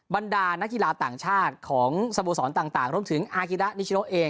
บรรดานักกีฬาต่างชาติของสโมสรต่างรวมถึงอากิดะนิชโนเอง